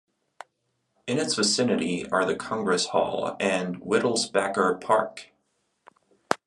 In its vicinity are the Congress Hall and Wittelsbacher Park.